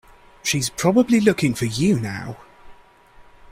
She's probably looking for you now.